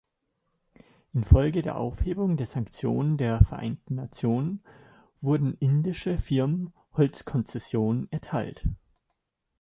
Infolge der Aufhebung der Sanktionen der Vereinten Nationen wurden indischen Firmen Holzkonzessionen erteilt.